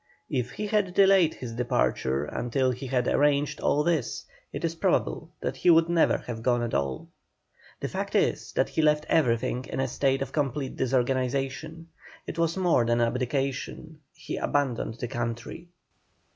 If he had delayed his departure until he had arranged all this it is probable that he would never have gone at all. The fact is that he left everything in a state of complete disorganization. It was more than an abdication, he abandoned the country.